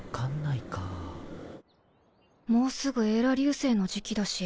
もうすぐエーラ流星の時期だし